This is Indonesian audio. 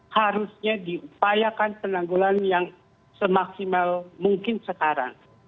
harusnya diupayakan penanggulan yang semaksimal mungkin sekarang